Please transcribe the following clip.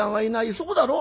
そうだろ？